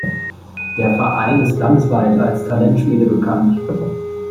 Der Verein ist landesweit als Talentschmiede bekannt.